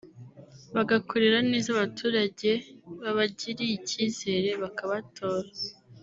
bagakorera neza abaturage babagiriye icyizere bakabatora